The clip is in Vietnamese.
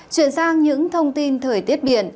chuyển sang những thông tin thời tiết biển